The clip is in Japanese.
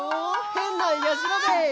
へんなやじろべえ」